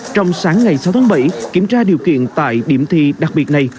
trong sáng ngày sáu tháng bảy kiểm tra điều kiện tại điểm thi đặc biệt này